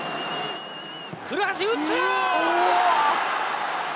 古橋打つ！